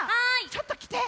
ちょっときて。